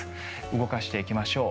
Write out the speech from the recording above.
動かしていきましょう。